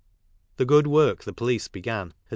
The good work the police began r>Z f